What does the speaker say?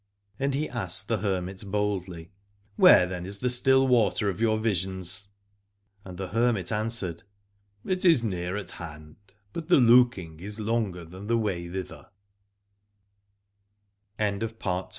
And he asked the hermit boldly: Where then is the still water of your visions ? And the hermit answered: It is near at hand : but the looking is longer than the